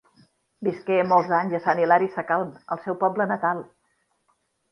Visqué molts anys a Sant Hilari Sacalm, el seu poble natal.